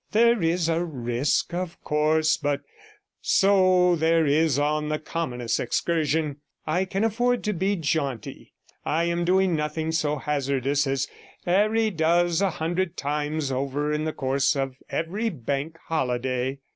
There is a risk, of course, but so there is on the commonest excursion. I can afford to be jaunty; I am doing nothing so hazardous as 'Arry does a hundred times over in the course of every Bank Holiday.